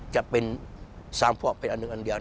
จะเป็นสามภวกเป็นอันหนึ่ง